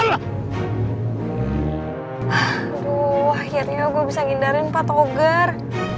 aduh akhirnya gue bisa ngindarin pak toger